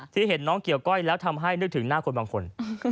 ที่เห็นน้องเกี่ยวก้อยแล้วทำให้นึกถึงหน้าคนบางคน